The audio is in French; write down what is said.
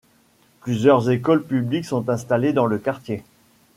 Plusieurs écoles publiques sont installées dans le quartier.